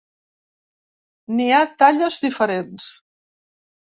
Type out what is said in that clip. N'hi ha talles diferents.